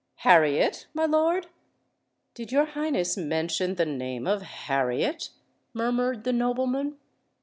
"Harriet, my lord?—did your Highness mention the name of Harriet?" murmured the nobleman.